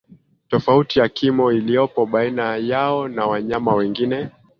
tofauti ya kimo iliyopo baina yao na wanyama wengine